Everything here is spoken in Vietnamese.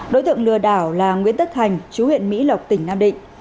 đối tượng lừa đảo là nguyễn tất thành chú huyện mỹ lộc tỉnh nam định